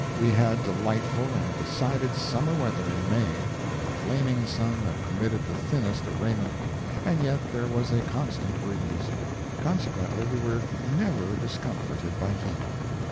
We had delightful and decided summer weather in May, with a flaming sun that permitted the thinnest of raiment, and yet there was a constant breeze; consequently we were never discomforted by heat.